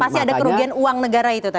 pasti ada kerugian uang negara itu tadi